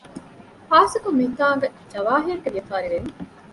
ޚާއްސަކޮށް މިތާނގެ ޖަވާހިރުގެ ވިޔަފާރިވެރީން